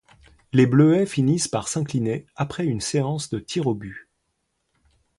Les Bleuets finissent par s'incliner après une séance de tirs aux buts.